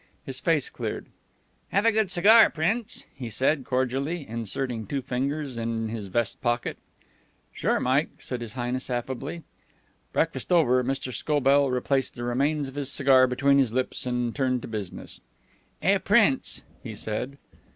His face cleared. "Have a good cigar, Prince?" he said, cordially, inserting two fingers in his vest pocket. "Sure, Mike," said His Highness affably. Breakfast over, Mr. Scobell replaced the remains of his cigar between his lips, and turned to business. "Eh, Prince?" he said.